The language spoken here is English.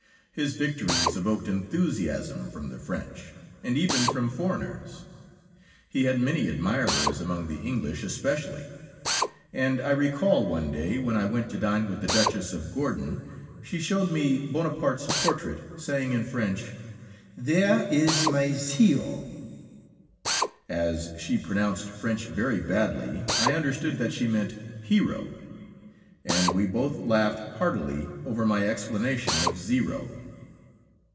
His victories evoked enthusiasm from the French, and even from foreigners. He had many admirers among the English especially, and I recall one day, when I went to dine with the Duchess of Gordon, she showed me Bonaparte's portrait, saying in French, "There is my zero." As she pronounced French very badly, I understood that she meant "hero," and we both laughed heartily over my explanation of "zero."